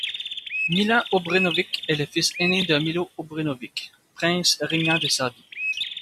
Milan Obrenović est le fils aîné de Miloš Obrenović, prince régnant de Serbie.